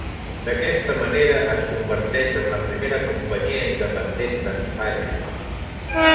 D'aquesta manera es converteix en la primera companyia independent d'Espanya.